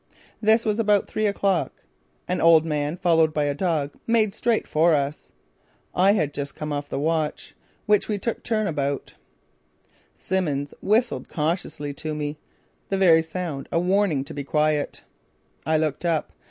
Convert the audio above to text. This was about three o'clock. An old man followed by a dog made straight for us. I had just come off the watch, which we took turn about. Simmons whistled cautiously to me, the very sound a warning to be quiet. [Illustration: SALIENT DETAILS OF THE THIRD ESCAPE.] I looked up.